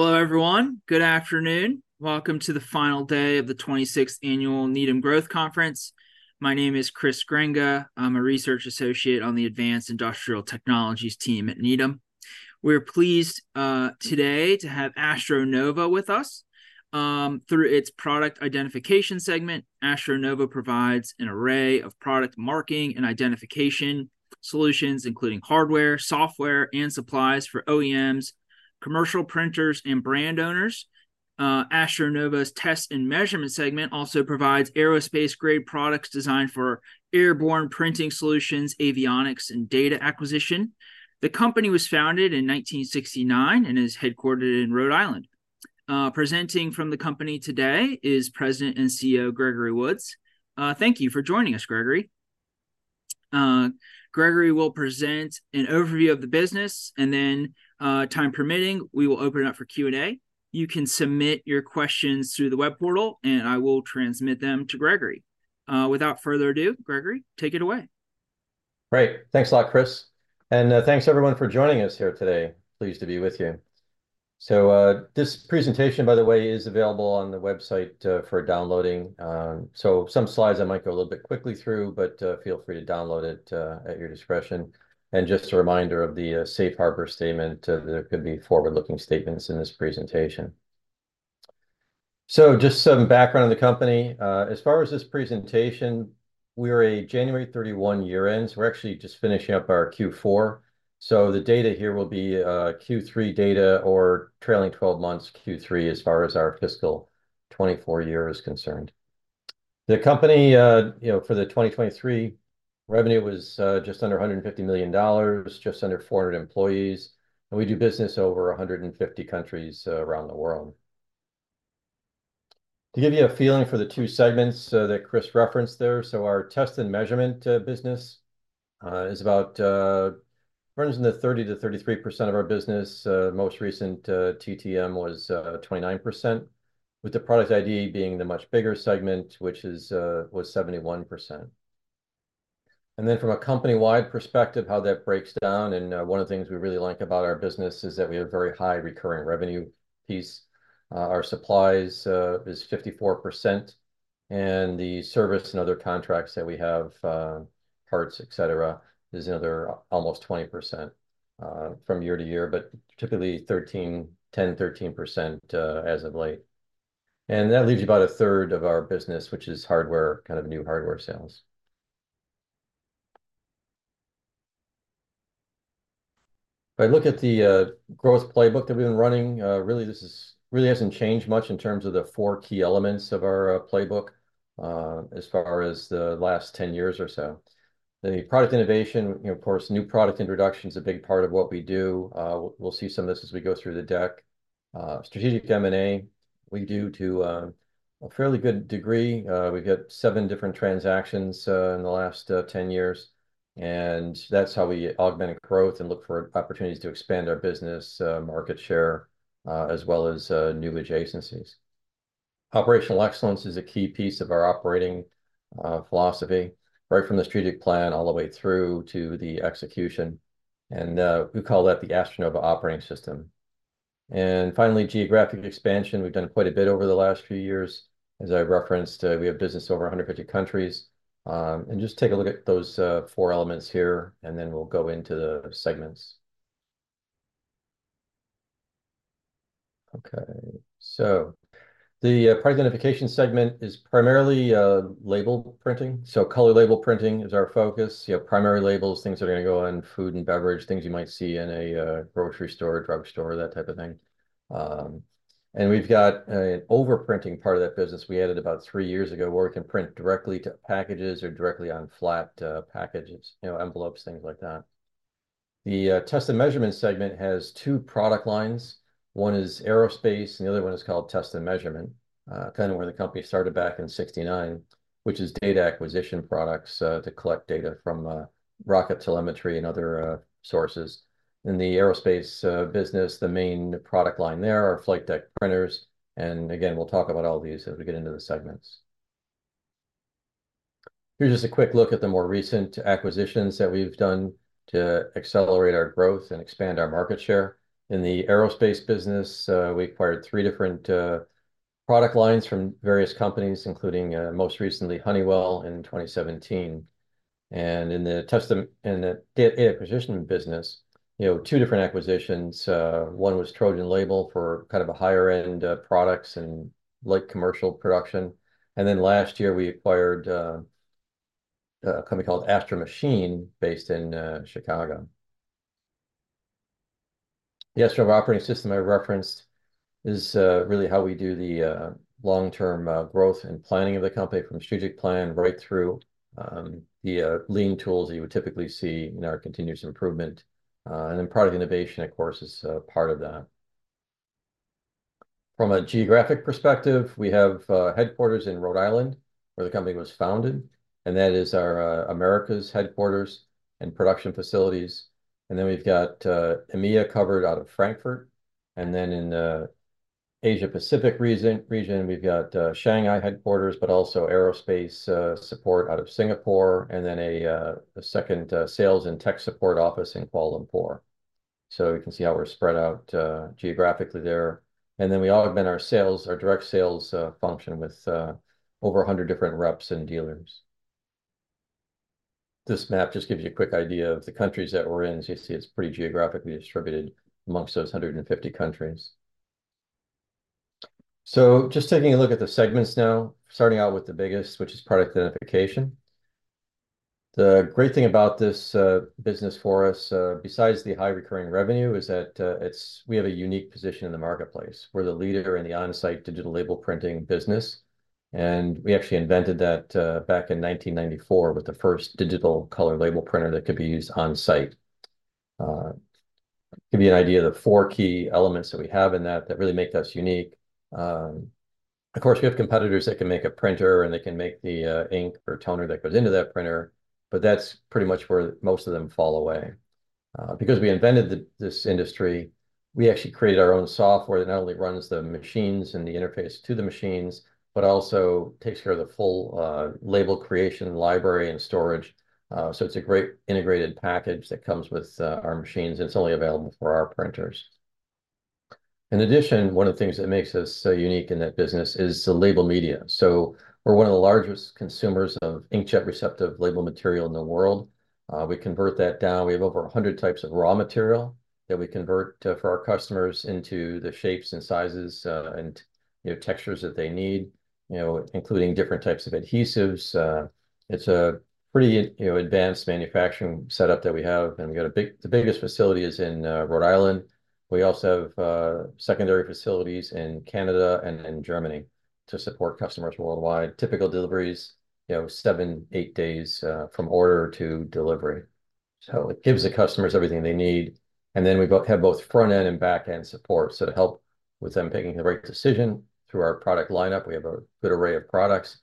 Hello, everyone. Good afternoon. Welcome to the final day of the 26th Annual Needham Growth Conference. My name is Chris Grenga. I'm a research associate on the Advanced Industrial Technologies team at Needham. We're pleased today to have AstroNova with us. Through its product identification segment, AstroNova provides an array of product marking and identification solutions, including hardware, software, and supplies for OEMs, commercial printers, and brand owners. AstroNova's test and measurement segment also provides aerospace-grade products designed for airborne printing solutions, avionics, and data acquisition. The company was founded in 1969 and is headquartered in Rhode Island. Presenting from the company today is President and CEO Gregory Woods. Thank you for joining us, Gregory. Gregory will present an overview of the business, and then, time permitting, we will open it up for Q&A. You can submit your questions through the web portal, and I will transmit them to Gregory. Without further ado, Gregory, take it away. Great! Thanks a lot, Chris. And thanks, everyone, for joining us here today. Pleased to be with you. So this presentation, by the way, is available on the website for downloading. So some slides I might go a little bit quickly through, but feel free to download it at your discretion. And just a reminder of the safe harbor statement. There could be forward-looking statements in this presentation. So just some background on the company. As far as this presentation, we're a January 31 year-end, so we're actually just finishing up our Q4. So the data here will be Q3 data or trailing 12 months Q3, as far as our fiscal 2024 year is concerned. The company, you know, for the 2023, revenue was just under $150 million, just under 400 employees, and we do business over 150 countries around the world. To give you a feeling for the two segments that Chris referenced there, so our test and measurement business is about, runs in the 30%-33% of our business. Most recent, TTM was 29%, with the product ID being the much bigger segment, which is, was 71%. And then from a company-wide perspective, how that breaks down, and one of the things we really like about our business is that we have a very high recurring revenue piece. Our supplies is 54%, and the service and other contracts that we have, parts, et cetera, is another almost 20% from year to year, but typically 10%-13% as of late. And that leaves you about a third of our business, which is hardware, kind of new hardware sales. If I look at the growth playbook that we've been running, really, this really hasn't changed much in terms of the four key elements of our playbook as far as the last 10 years or so. The product innovation, you know, of course, new product introduction is a big part of what we do. We'll see some of this as we go through the deck. Strategic M&A, we do to a fairly good degree. We've got seven different transactions in the last 10 years, and that's how we augment growth and look for opportunities to expand our business market share, as well as new adjacencies. Operational excellence is a key piece of our operating philosophy, right from the strategic plan all the way through to the execution, and we call that the AstroNova Operating System. And finally, geographic expansion, we've done quite a bit over the last few years. As I referenced, we have business over 150 countries. And just take a look at those four elements here, and then we'll go into the segments. Okay, so the product identification segment is primarily label printing. So color label printing is our focus. You have primary labels, things that are gonna go on food and beverage, things you might see in a grocery store, drugstore, that type of thing. And we've got an overprinting part of that business we added about three years ago, where we can print directly to packages or directly on flat packages, you know, envelopes, things like that. The test and measurement segment has two product lines. One is aerospace, and the other one is called test and measurement, kind of where the company started back in 1969, which is data acquisition products to collect data from rocket telemetry and other sources. In the aerospace business, the main product line there are flight deck printers, and again, we'll talk about all of these as we get into the segments. Here's just a quick look at the more recent acquisitions that we've done to accelerate our growth and expand our market share. In the aerospace business, we acquired three different product lines from various companies, including most recently, Honeywell in 2017. And in the test and data acquisition business, you know, two different acquisitions. One was TrojanLabel for kind of a higher-end products and light commercial production. And then last year, we acquired a company called Astro Machine, based in Chicago. The Astro operating system I referenced is really how we do the long-term growth and planning of the company, from strategic plan right through the lean tools that you would typically see in our continuous improvement. And then product innovation, of course, is a part of that. From a geographic perspective, we have headquarters in Rhode Island, where the company was founded, and that is our Americas headquarters and production facilities. And then we've got EMEA covered out of Frankfurt, and then in Asia Pacific region, we've got Shanghai headquarters, but also aerospace support out of Singapore, and then a second sales and tech support office in Kuala Lumpur. So you can see how we're spread out geographically there. And then we also have our sales, our direct sales function with over 100 different reps and dealers. This map just gives you a quick idea of the countries that we're in. As you see, it's pretty geographically distributed amongst those 150 countries. So just taking a look at the segments now, starting out with the biggest, which is product identification. The great thing about this business for us, besides the high recurring revenue, is that we have a unique position in the marketplace. We're the leader in the on-site digital label printing business, and we actually invented that back in 1994 with the first digital color label printer that could be used on-site. Give you an idea of the four key elements that we have in that really make us unique. Of course, we have competitors that can make a printer, and they can make the ink or toner that goes into that printer, but that's pretty much where most of them fall away. Because we invented this industry, we actually created our own software that not only runs the machines and the interface to the machines but also takes care of the full label creation, library, and storage. So it's a great integrated package that comes with our machines, and it's only available for our printers. In addition, one of the things that makes us so unique in that business is the label media. So we're one of the largest consumers of inkjet-receptive label material in the world. We convert that down. We have over 100 types of raw material that we convert for our customers into the shapes and sizes and, you know, textures that they need, you know, including different types of adhesives. It's a pretty, you know, advanced manufacturing setup that we have, and we got a big... The biggest facility is in Rhode Island. We also have secondary facilities in Canada and in Germany to support customers worldwide. Typical deliveries, you know, seven-eight days from order to delivery. So it gives the customers everything they need, and then we have both front-end and back-end support, so to help with them making the right decision through our product lineup, we have a good array of products.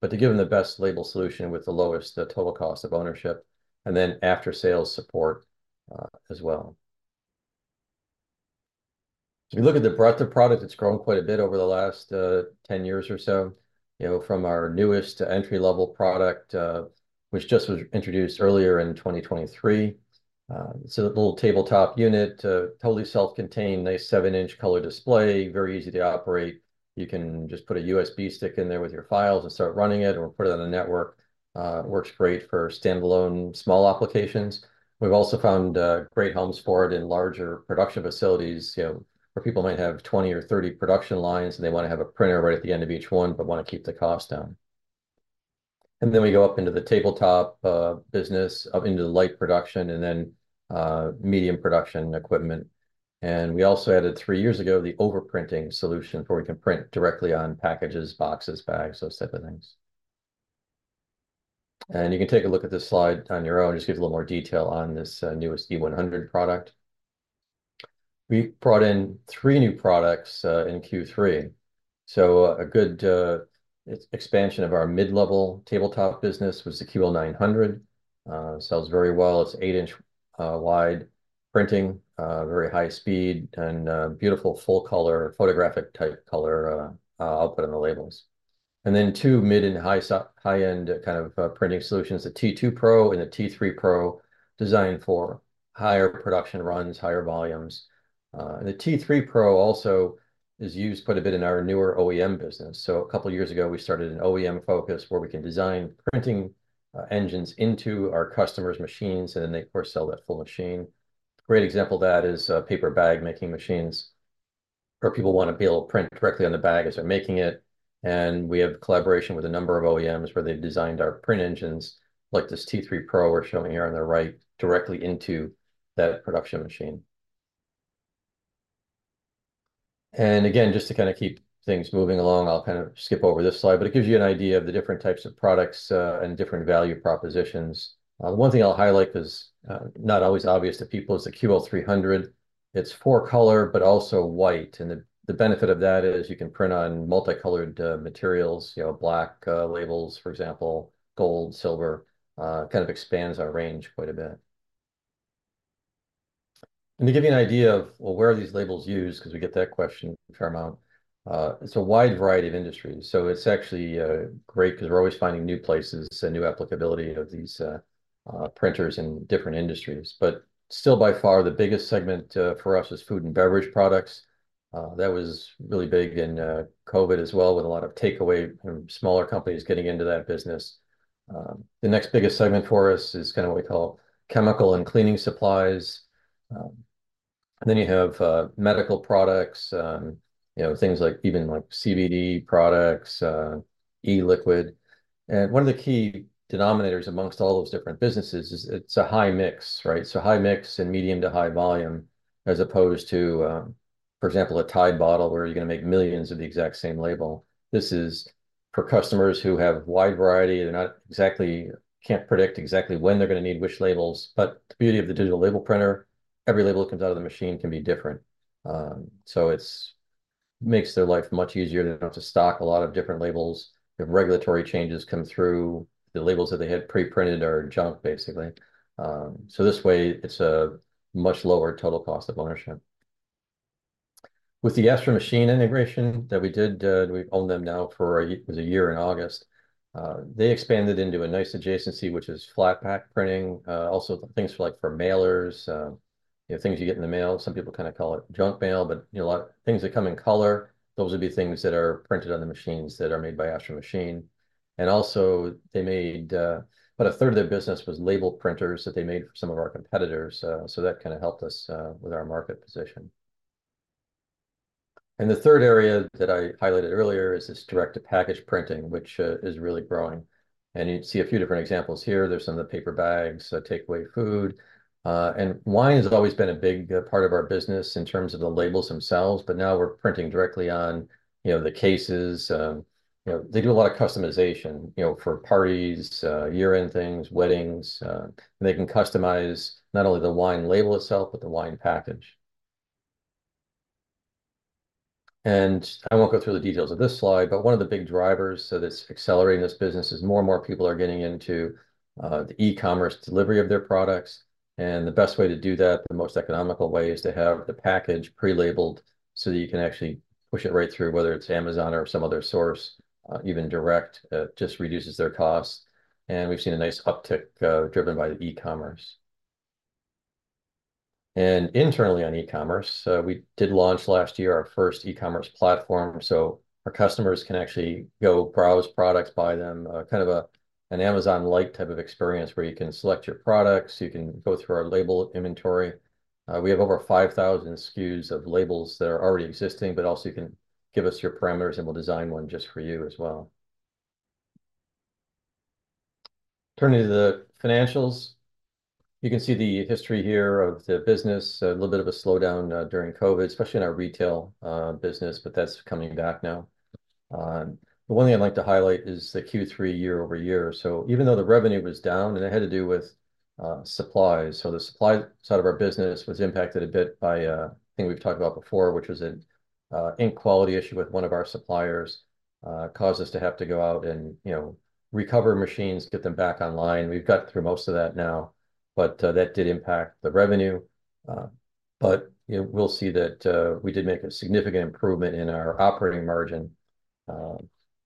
But to give them the best label solution with the lowest total cost of ownership, and then after-sales support as well. If you look at the breadth of product, it's grown quite a bit over the last 10 years or so, you know, from our newest entry-level product, which just was introduced earlier in 2023. It's a little tabletop unit, a totally self-contained, nice 7-inch color display, very easy to operate. You can just put a USB stick in there with your files and start running it or put it on a network. It works great for standalone small applications. We've also found great homes for it in larger production facilities, you know, where people might have 20 or 30 production lines, and they wanna have a printer right at the end of each one but wanna keep the cost down. And then we go up into the tabletop business, up into the light production, and then medium production equipment. And we also added, three years ago, the overprinting solution, where we can print directly on packages, boxes, bags, those type of things. And you can take a look at this slide on your own. Just gives a little more detail on this newest E100 product. We brought in three new products in Q3, so a good expansion of our mid-level tabletop business was the QL-900. It sells very well. It's 8-inch wide printing, very high speed, and beautiful full-color, photographic-type color output on the labels. And then t mid and high high-end kind of printing solutions, the T2-PRO and the T3 Pro, designed for higher production runs, higher volumes. The T3 Pro also is used quite a bit in our newer OEM business. So a couple of years ago, we started an OEM focus, where we can design printing engines into our customers' machines, and then they, of course, sell that full machine. Great example of that is paper bag-making machines, where people wanna be able to print directly on the bag as they're making it. We have collaboration with a number of OEMs, where they've designed our print engines, like this T3 Pro we're showing here on the right, directly into that production machine. Again, just to kinda keep things moving along, I'll kind of skip over this slide, but it gives you an idea of the different types of products and different value propositions. The one thing I'll highlight that's not always obvious to people is the QL-300. It's four color but also white, and the benefit of that is you can print on multicolored materials, you know, black labels, for example, gold, silver. It kind of expands our range quite a bit. Let me give you an idea of, well, where are these labels used? 'Cause we get that question a fair amount. It's a wide variety of industries, so it's actually great 'cause we're always finding new places and new applicability of these printers in different industries. But still, by far, the biggest segment for us is food and beverage products. That was really big in COVID as well, with a lot of takeaway and smaller companies getting into that business. The next biggest segment for us is kinda what we call chemical and cleaning supplies. And then you have medical products, you know, things like, even, like, CBD products, e-liquid. And one of the key denominators amongst all those different businesses is it's a high mix, right? So high mix and medium to high volume, as opposed to, for example, a Tide bottle, where you're gonna make millions of the exact same label. This is for customers who have a wide variety. They're not exactly—can't predict exactly when they're gonna need which labels. But the beauty of the digital label printer, every label that comes out of the machine can be different. So it's... makes their life much easier. They don't have to stock a lot of different labels. If regulatory changes come through, the labels that they had pre-printed are junk, basically. So this way, it's a much lower total cost of ownership. With the Astro Machine integration that we did, we've owned them now—it was a year in August. They expanded into a nice adjacency, which is flat pack printing, also things for like for mailers, you know, things you get in the mail. Some people kind of call it junk mail, but, you know, a lot of things that come in color, those would be things that are printed on the machines that are made by Astro Machine. And also they made, about a third of their business was label printers that they made for some of our competitors. So that kind of helped us with our market position. And the third area that I highlighted earlier is this direct-to-package printing, which is really growing. And you see a few different examples here. There's some of the paper bags, so take away food. And wine has always been a big part of our business in terms of the labels themselves, but now we're printing directly on, you know, the cases. You know, they do a lot of customization, you know, for parties, year-end things, weddings. And they can customize not only the wine label itself, but the wine package. And I won't go through the details of this slide, but one of the big drivers that is accelerating this business is more and more people are getting into the e-commerce delivery of their products. And the best way to do that, the most economical way, is to have the package pre-labeled so you can actually push it right through, whether it's Amazon or some other source, even direct. It just reduces their costs. And we've seen a nice uptick driven by the e-commerce. And internally on e-commerce, we did launch last year our first e-commerce platform, so our customers can actually go browse products, buy them, kind of a, an Amazon-like type of experience, where you can select your products, you can go through our label inventory. We have over 5,000 SKUs of labels that are already existing, but also you can give us your parameters, and we'll design one just for you as well. Turning to the financials, you can see the history here of the business. A little bit of a slowdown during COVID, especially in our retail business, but that's coming back now. But one thing I'd like to highlight is the Q3 year-over-year. So even though the revenue was down, and it had to do with supplies, so the supply side of our business was impacted a bit by a thing we've talked about before, which was an ink quality issue with one of our suppliers. Caused us to have to go out and, you know, recover machines, get them back online. We've got through most of that now, but that did impact the revenue. But, you know, we'll see that we did make a significant improvement in our operating margin,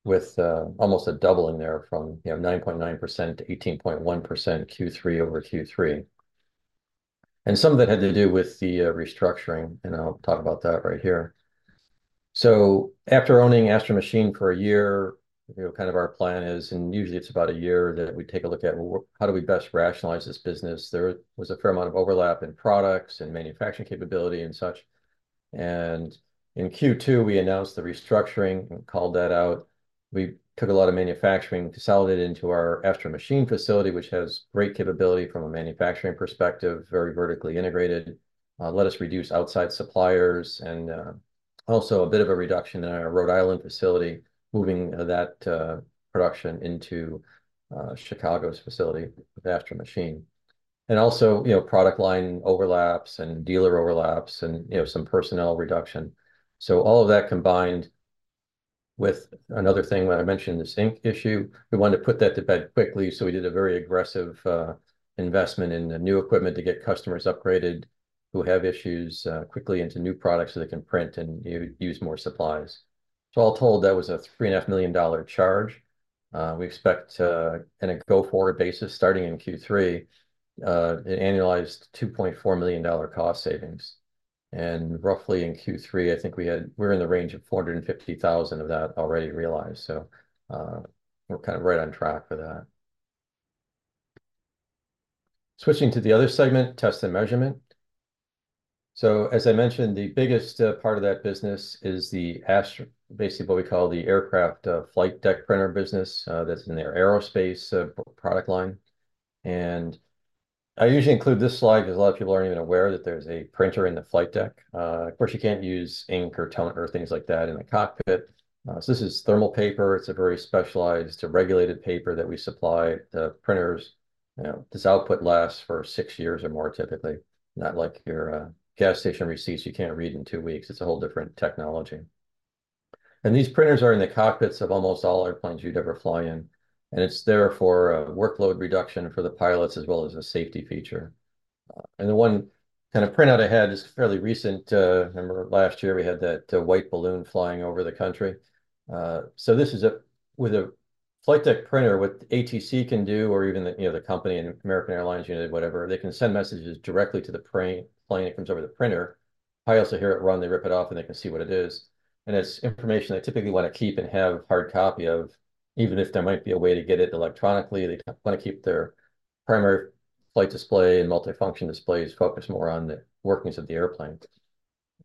with almost a doubling there from, you know, 9.9% to 18.1% Q3 over Q3. And some of that had to do with the restructuring, and I'll talk about that right here. So after owning Astro Machine for a year, you know, kind of our plan is, and usually it's about a year, that we take a look at well, how do we best rationalize this business? There was a fair amount of overlap in products and manufacturing capability and such. And in Q2, we announced the restructuring and called that out. We took a lot of manufacturing, consolidated it into our Astro Machine facility, which has great capability from a manufacturing perspective, very vertically integrated. Let us reduce outside suppliers and also a bit of a reduction in our Rhode Island facility, moving that production into Chicago's facility with Astro Machine. And also, you know, product line overlaps and dealer overlaps and, you know, some personnel reduction. So all of that combined with another thing when I mentioned this ink issue, we wanted to put that to bed quickly, so we did a very aggressive investment in the new equipment to get customers upgraded who have issues quickly into new products, so they can print and use more supplies. So all told, that was a $3.5 million charge. We expect, in a go-forward basis, starting in Q3, an annualized $2.4 million cost savings. And roughly in Q3, I think we're in the range of $450,000 of that already realized. So, we're kind of right on track for that. Switching to the other segment, test and measurement. So as I mentioned, the biggest part of that business is the AstroNova—basically what we call the aircraft flight deck printer business. That's in their aerospace product line. And I usually include this slide because a lot of people aren't even aware that there's a printer in the flight deck. Of course, you can't use ink or toner or things like that in a cockpit. So this is thermal paper. It's a very specialized, regulated paper that we supply the printers. You know, this output lasts for six years or more, typically. Not like your gas station receipts you can't read in two weeks. It's a whole different technology. And these printers are in the cockpits of almost all airplanes you'd ever fly in, and it's there for workload reduction for the pilots, as well as a safety feature. And the one kind of printout I had is fairly recent. I remember last year, we had that white balloon flying over the country. So this is with a flight deck printer, what ATC can do, or even the, you know, the company in American Airlines, United, whatever, they can send messages directly to the plane. It comes over the printer. Pilots hear it run, they rip it off, and they can see what it is. It's information they typically wanna keep and have hard copy of, even if there might be a way to get it electronically. They wanna keep their primary flight display and multifunction displays focused more on the workings of the airplane.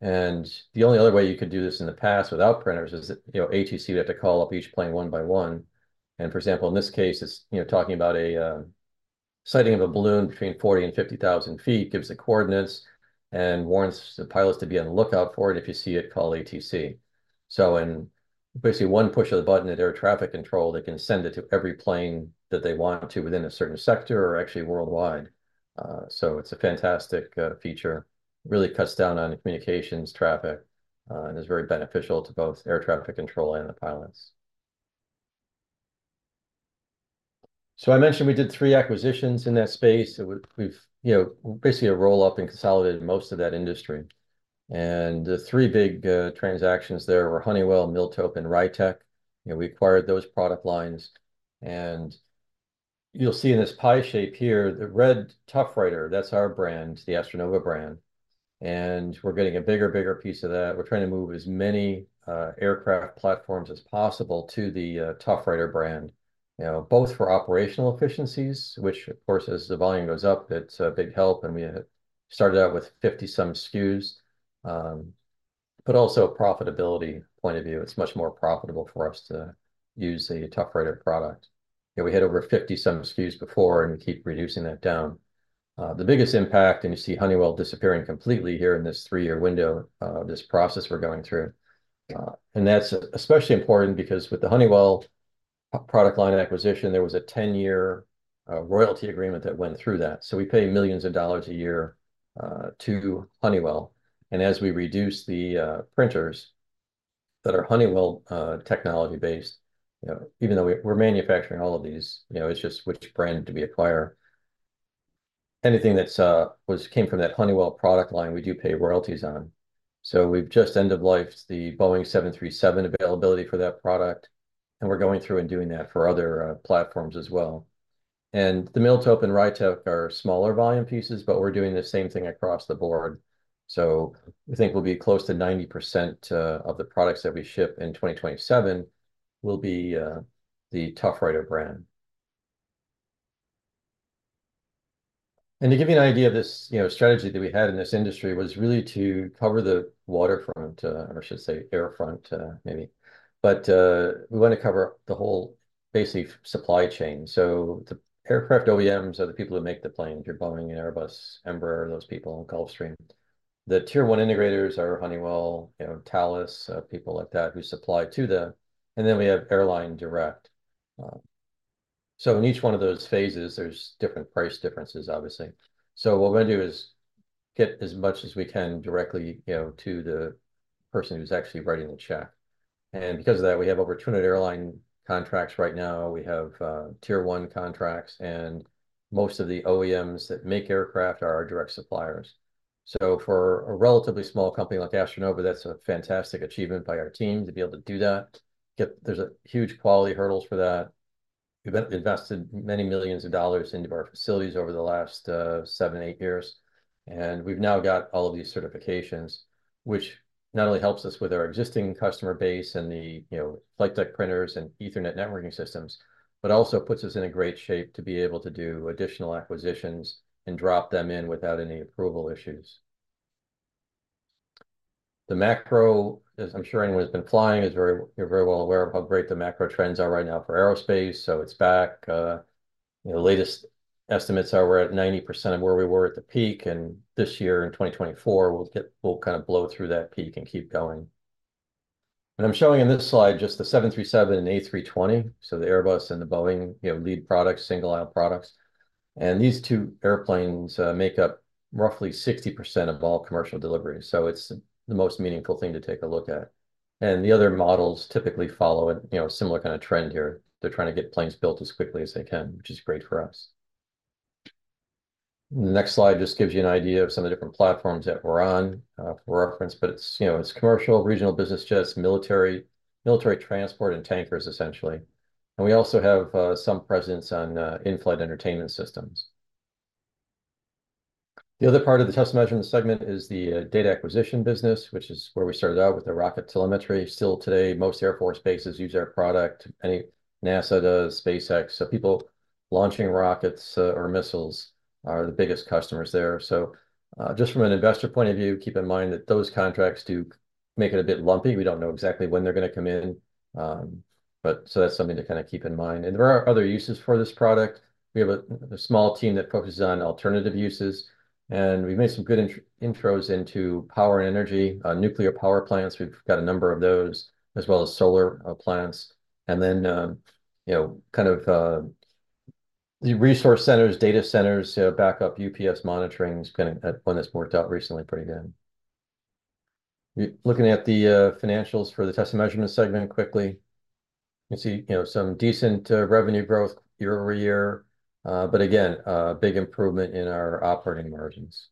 The only other way you could do this in the past without printers is, you know, ATC. They have to call up each plane one by one. For example, in this case, it's, you know, talking about a sighting of a balloon between 40-50,000 feet, gives the coordinates and warns the pilots to be on the lookout for it. If you see it, call ATC. In basically one push of the button at air traffic control, they can send it to every plane that they want to within a certain sector or actually worldwide. So it's a fantastic feature, really cuts down on the communications traffic, and is very beneficial to both air traffic control and the pilots. So I mentioned we did three acquisitions in that space, and we've, you know, basically a roll-up and consolidated most of that industry. And the three big transactions there were Honeywell, Miltope, and RITEC. You know, we acquired those product lines, and you'll see in this pie shape here, the red ToughWriter, that's our brand, the AstroNova brand, and we're getting a bigger, bigger piece of that. We're trying to move as many aircraft platforms as possible to the ToughWriter brand, you know, both for operational efficiencies, which of course, as the volume goes up, it's a big help, and we started out with 50-some SKUs. But also profitability point of view, it's much more profitable for us to use a ToughWriter product. Yeah, we had over 50-some SKUs before, and we keep reducing that down. The biggest impact, and you see Honeywell disappearing completely here in this three-year window, this process we're going through. And that's especially important because with the Honeywell product line acquisition, there was a 10-year royalty agreement that went through that. So we pay $ millions a year to Honeywell. And as we reduce the printers that are Honeywell technology-based, you know, even though we're manufacturing all of these, you know, it's just which brand do we acquire? Anything that's came from that Honeywell product line, we do pay royalties on. So we've just end-of-lifed the Boeing 737 availability for that product, and we're going through and doing that for other platforms as well. And the Miltope and Rytec are smaller volume pieces, but we're doing the same thing across the board. So we think we'll be close to 90% of the products that we ship in 2027 will be the ToughWriter brand. And to give you an idea of this, you know, strategy that we had in this industry was really to cover the waterfront, or I should say air front, maybe. But we wanna cover the whole basic supply chain. So the aircraft OEMs are the people who make the planes, your Boeing and Airbus, Embraer, those people, and Gulfstream. The tier one integrators are Honeywell, you know, Thales, people like that, who supply to them, and then we have airline direct. So in each one of those phases, there's different price differences, obviously. So what we're gonna do is get as much as we can directly, you know, to the person who's actually writing the check. And because of that, we have over 200 airline contracts right now. We have tier one contracts, and most of the OEMs that make aircraft are our direct suppliers. So for a relatively small company like AstroNova, that's a fantastic achievement by our team to be able to do that. Yet there's a huge quality hurdles for that. We've invested many millions of dollars into our facilities over the last seven, eight years, and we've now got all of these certifications, which not only helps us with our existing customer base and the, you know, flight deck printers and Ethernet networking systems, but also puts us in a great shape to be able to do additional acquisitions and drop them in without any approval issues. The macro, as I'm sure anyone who's been flying, is very—you're very well aware of how great the macro trends are right now for aerospace. So it's back, the latest estimates are we're at 90% of where we were at the peak, and this year, in 2024, we'll get—we'll kind of blow through that peak and keep going. What I'm showing in this slide, just the 737 and A320, so the Airbus and the Boeing, you know, lead products, single-aisle products. These two airplanes make up roughly 60% of all commercial deliveries, so it's the most meaningful thing to take a look at. The other models typically follow a, you know, similar kind of trend here. They're trying to get planes built as quickly as they can, which is great for us. The next slide just gives you an idea of some of the different platforms that we're on, for reference, but it's, you know, it's commercial, regional business jets, military, military transport, and tankers, essentially. We also have some presence on in-flight entertainment systems. The other part of the test and measurement segment is the data acquisition business, which is where we started out with the rocket telemetry. Still today, most Air Force bases use our product. NASA does, SpaceX, so people launching rockets or missiles are the biggest customers there. So, just from an investor point of view, keep in mind that those contracts do make it a bit lumpy. We don't know exactly when they're gonna come in, but so that's something to kind of keep in mind. And there are other uses for this product. We have a small team that focuses on alternative uses, and we've made some good intros into power and energy, nuclear power plants, we've got a number of those, as well as solar plants. And then, you know, kind of, the resource centers, data centers, backup UPS monitoring has been a one that's worked out recently pretty good. Looking at the financials for the test and measurement segment quickly, you can see, you know, some decent revenue growth year-over-year, but again, a big improvement in our operating margins.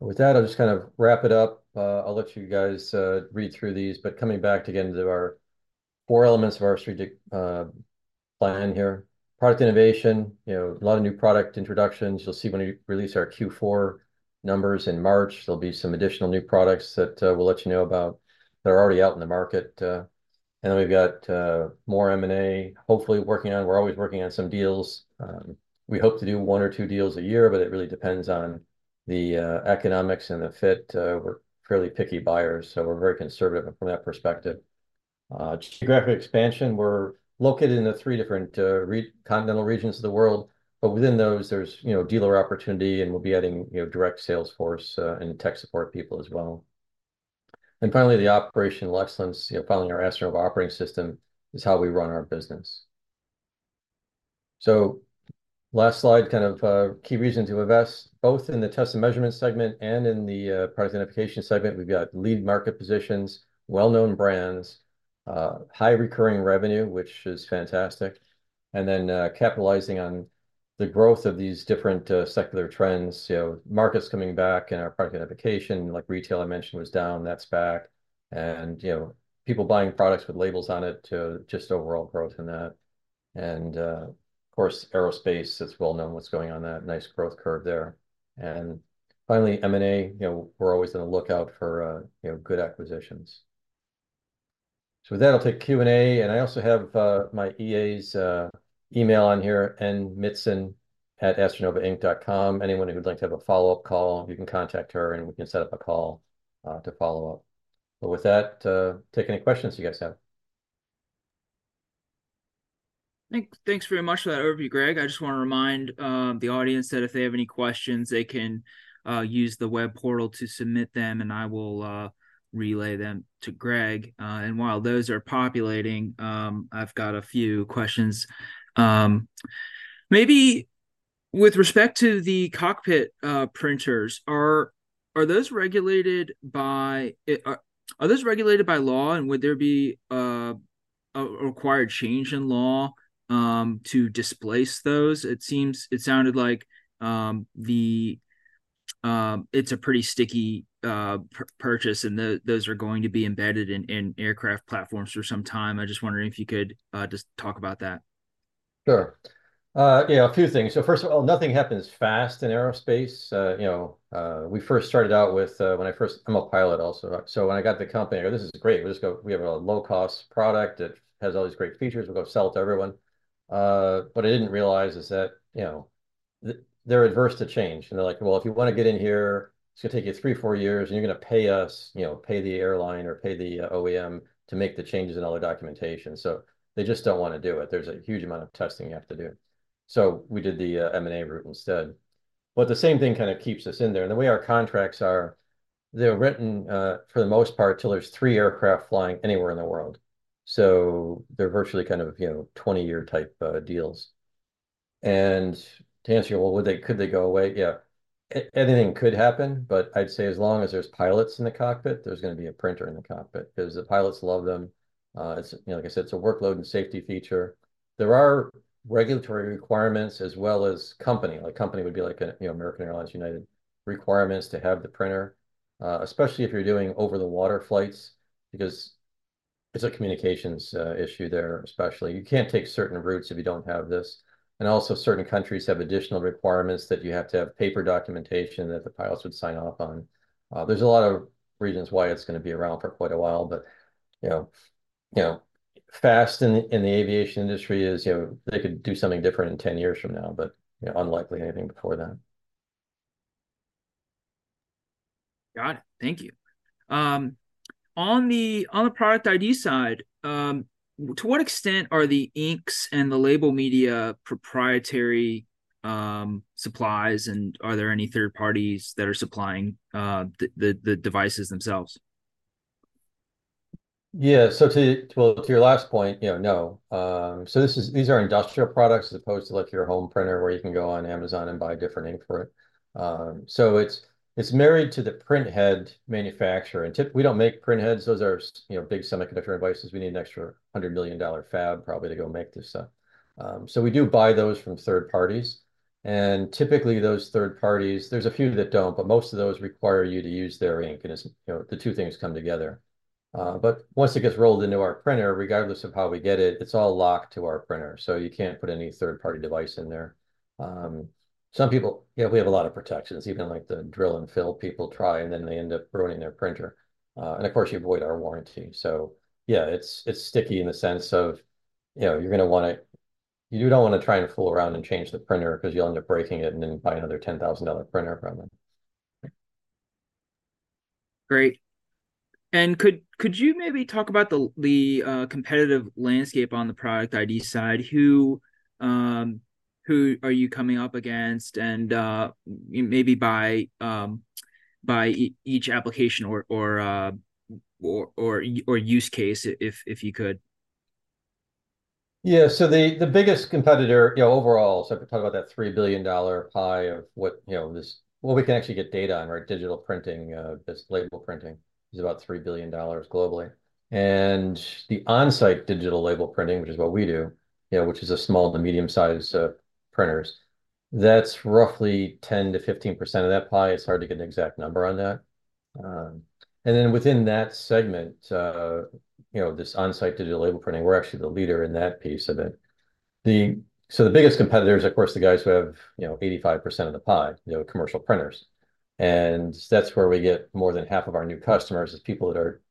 With that, I'll just kind of wrap it up. I'll let you guys read through these, but coming back again to our four elements of our strategic plan here. Product innovation, you know, a lot of new product introductions. You'll see when we release our Q4 numbers in March, there'll be some additional new products that we'll let you know about that are already out in the market. And then we've got more M&A hopefully working on. We're always working on some deals. We hope to do one or two deals a year, but it really depends on the economics and the fit. We're fairly picky buyers, so we're very conservative from that perspective. Geographic expansion, we're located in the three different continental regions of the world, but within those, there's, you know, dealer opportunity, and we'll be adding, you know, direct sales force and tech support people as well. And finally, the operational excellence, you know, following our AstroNova operating system is how we run our business. So last slide, kind of key reason to invest both in the test and measurement segment and in the product identification segment. We've got lead market positions, well-known brands, high recurring revenue, which is fantastic, and then, capitalizing on the growth of these different secular trends, you know, markets coming back and our product identification, like retail I mentioned, was down, that's back. And, you know, people buying products with labels on it to just overall growth in that. And, of course, aerospace, it's well known what's going on, that nice growth curve there. And finally, M&A, you know, we're always on the lookout for, you know, good acquisitions. So with that, I'll take Q&A, and I also have my EA's email on here, nmitson@astronovainc.com. Anyone who'd like to have a follow-up call, you can contact her, and we can set up a call to follow up. But with that, take any questions you guys have. Thanks very much for that overview, Greg. I just wanna remind the audience that if they have any questions, they can use the web portal to submit them, and I will relay them to Greg. And while those are populating, I've got a few questions. Maybe with respect to the cockpit printers, are those regulated by law, and would there be a required change in law to displace those? It seems... It sounded like it's a pretty sticky purchase, and those are going to be embedded in aircraft platforms for some time. I'm just wondering if you could just talk about that. Sure. Yeah, a few things. So first of all, nothing happens fast in aerospace. You know, we first started out with, when I first, I'm a pilot also. So when I got the company, I go, "This is great. We'll just go, we have a low-cost product. It has all these great features. We're gonna sell it to everyone." But what I didn't realize is that, you know, they're averse to change, and they're like, "Well, if you wanna get in here, it's gonna take you three, four years, and you're gonna pay us, you know, pay the airline or pay the OEM to make the changes in all their documentation." So they just don't wanna do it. There's a huge amount of testing you have to do. So we did the M&A route instead. But the same thing kind of keeps us in there. And the way our contracts are, they're written, for the most part, till there's three aircraft flying anywhere in the world. So they're virtually kind of, you know, 20-year-type deals. And to answer your, well, would they, could they go away? Yeah, anything could happen, but I'd say as long as there's pilots in the cockpit, there's gonna be a printer in the cockpit, 'cause the pilots love them. It's, you know, like I said, it's a workload and safety feature. There are regulatory requirements as well as company, like company would be like a, you know, American Airlines, United, requirements to have the printer, especially if you're doing over-the-water flights, because it's a communications issue there, especially. You can't take certain routes if you don't have this. Also, certain countries have additional requirements that you have to have paper documentation that the pilots would sign off on. There's a lot of reasons why it's gonna be around for quite a while, but, you know, you know, fast in, in the aviation industry is, you know, they could do something different in 10 years from now, but, you know, unlikely anything before then. Got it. Thank you. On the product ID side, to what extent are the inks and the label media proprietary supplies, and are there any third parties that are supplying the devices themselves? Yeah. So to your last point, you know, no. So these are industrial products as opposed to, like, your home printer, where you can go on Amazon and buy a different ink for it. So it's, it's married to the print head manufacturer, and we don't make print heads. Those are, you know, big semiconductor devices. We need an extra $100 million fab probably to go make this, so, so we do buy those from third parties. And typically those third parties, there's a few that don't, but most of those require you to use their ink, and, you know, the two things come together. But once it gets rolled into our printer, regardless of how we get it, it's all locked to our printer, so you can't put any third-party device in there. Some people... Yeah, we have a lot of protections, even, like, the drill-and-fill people try, and then they end up ruining their printer. And of course, you void our warranty. So yeah, it's, it's sticky in the sense of, you know, you're gonna wanna- you don't wanna try and fool around and change the printer, 'cause you'll end up breaking it and then buy another $10,000 printer from it. Great. And could you maybe talk about the competitive landscape on the product ID side? Who are you coming up against, and maybe by each application or use case, if you could? Yeah. So the biggest competitor, you know, overall, so if you talk about that $3 billion pie of what, you know, this—what we can actually get data on, right? Digital printing, this label printing is about $3 billion globally. And the on-site digital label printing, which is what we do, you know, which is a small to medium-sized printers, that's roughly 10%-15% of that pie. It's hard to get an exact number on that. And then within that segment, you know, this on-site digital label printing, we're actually the leader in that piece of it. So the biggest competitors, of course, the guys who have, you know, 85% of the pie, you know, commercial printers. And that's where we get more than half of our new customers, is people that are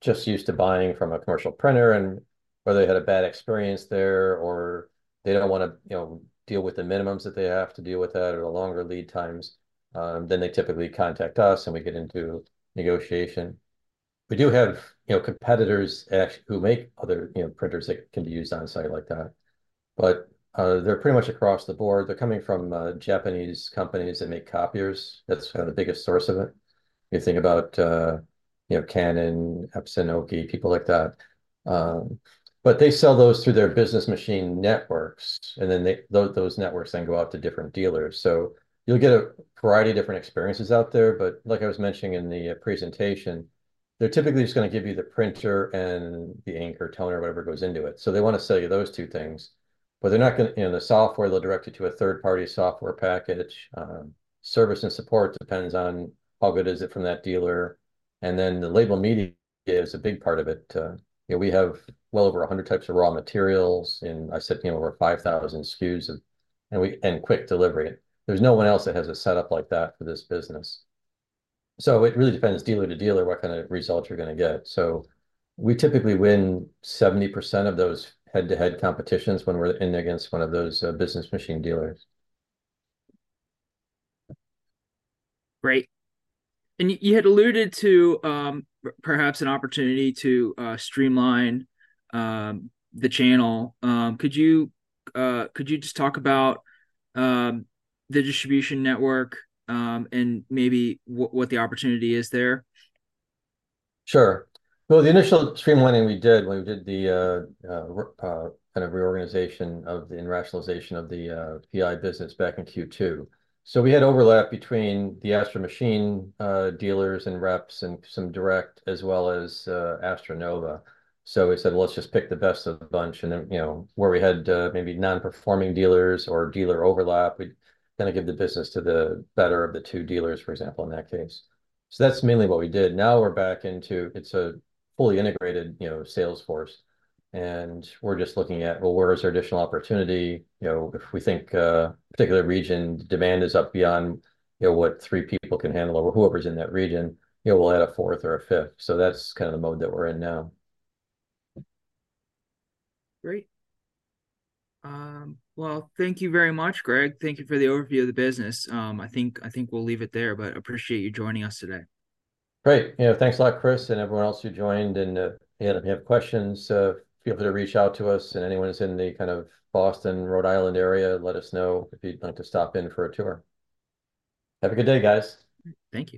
just used to buying from a commercial printer, and whether they had a bad experience there or they don't wanna, you know, deal with the minimums that they have to deal with that or the longer lead times, then they typically contact us, and we get into negotiation. We do have, you know, competitors actually who make other, you know, printers that can be used on-site like that, but they're pretty much across the board. They're coming from Japanese companies that make copiers. That's kind of the biggest source of it. You think about, you know, Canon, Epson, OKI, people like that. But they sell those through their business machine networks, and then those networks then go out to different dealers. So you'll get a variety of different experiences out there, but like I was mentioning in the presentation, they're typically just gonna give you the printer and the ink or toner, whatever goes into it. So they wanna sell you those two things, but they're not gonna... You know, the software, they'll direct you to a third-party software package. Service and support depends on how good is it from that dealer, and then the label media is a big part of it. You know, we have well over 100 types of raw materials, and I said, you know, over 5,000 SKUs, and quick delivery. There's no one else that has a setup like that for this business. So it really depends dealer to dealer what kind of results you're gonna get. So we typically win 70% of those head-to-head competitions when we're in against one of those business machine dealers. Great. And you had alluded to, perhaps an opportunity to streamline the channel. Could you just talk about the distribution network and maybe what the opportunity is there? Sure. Well, the initial streamlining we did when we did the kind of reorganization and rationalization of the PI business back in Q2. So we had overlap between the Astro Machine dealers and reps and some direct, as well as AstroNova. So we said, "Well, let's just pick the best of the bunch," and then, you know, where we had maybe non-performing dealers or dealer overlap, we kinda give the business to the better of the two dealers, for example, in that case. So that's mainly what we did. Now we're back into, it's a fully integrated, you know, sales force, and we're just looking at, well, where is there additional opportunity? You know, if we think, particular region demand is up beyond, you know, what three people can handle or whoever's in that region, you know, we'll add a fourth or a fifth. So that's kind of the mode that we're in now. Great. Well, thank you very much, Greg. Thank you for the overview of the business. I think, I think we'll leave it there, but appreciate you joining us today. Great. Yeah, thanks a lot, Chris, and everyone else who joined, and, yeah, if you have questions, feel free to reach out to us, and anyone who's in the kind of Boston, Rhode Island area, let us know if you'd like to stop in for a tour. Have a good day, guys. Thank you.